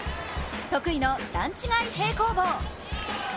得意の段違い平行棒。